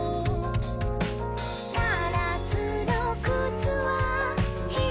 「ガラスのくつはひとりぶん」